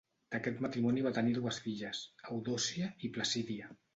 D'aquest matrimoni va tenir dues filles, Eudòcia i Placídia.